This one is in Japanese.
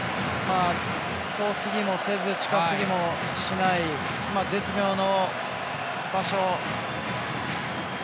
遠すぎもせず近すぎもしない絶妙の場所。